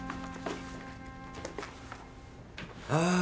ああ。